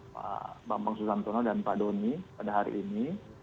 pak bambang susantono dan pak doni pada hari ini